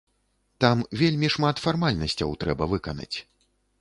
Там вельмі шмат фармальнасцяў трэба выканаць.